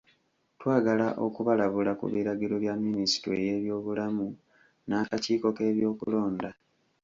Twagala okubalabula ku biragiro bya Minisitule y'ebyobulamu n'akakiiko k'ebyokulonda.